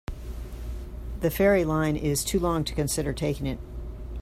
The ferry line is too long to consider taking it.